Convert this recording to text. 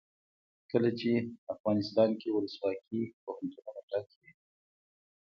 کله چې افغانستان کې ولسواکي وي پوهنتونونه ډک وي.